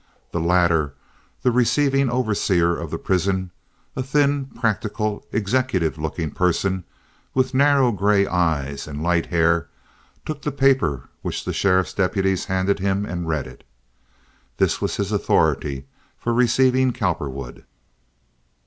The latter, the receiving overseer of the prison—a thin, practical, executive looking person with narrow gray eyes and light hair, took the paper which the sheriff's deputy handed him and read it. This was his authority for receiving Cowperwood.